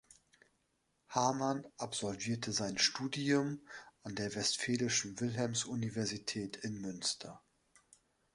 Hamann absolvierte sein Studium an der Westfälischen Wilhelms-Universität in Münster.